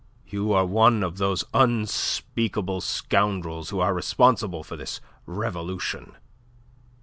You are one of those unspeakable scoundrels who are responsible for this revolution."